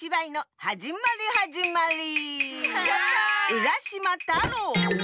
うらしまたろう。